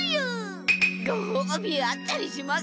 ごほうびあったりします？